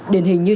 điển hình như